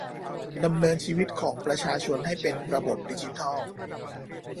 ดำเนินชีวิตของประชาชนให้เป็นระบบดิจิทัล